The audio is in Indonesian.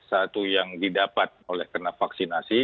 satu yang didapat oleh karena vaksinasi